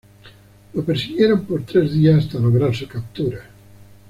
Lo persiguieron por tres días hasta lograr su captura.